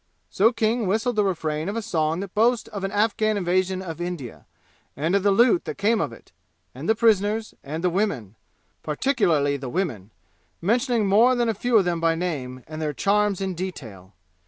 So King whistled the refrain of a song that boasts of an Afghan invasion of India, and of the loot that came of it, and the prisoners, and the women particularly the women, mentioning more than a few of them by name, and their charms in detail.